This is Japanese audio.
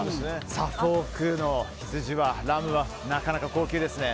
サフォークのラムはなかなか高級ですね。